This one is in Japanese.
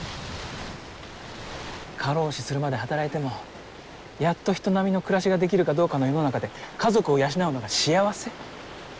過労死するまで働いてもやっと人並みの暮らしができるかどうかの世の中で家族を養うのが幸せ？